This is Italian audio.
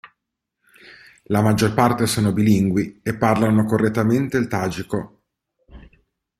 La maggior parte sono bilingui e parlano correttamente il tagico.